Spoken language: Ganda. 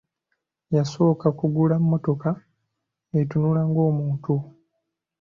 Yasooka kugula mmotoka etunula ng'omuntu.